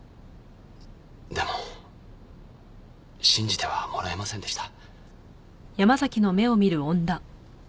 でも信じてはもらえませんでした。